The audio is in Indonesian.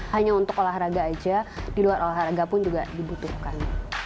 hanya untuk olahraga aja di luar olahraga pun juga dibutuhkan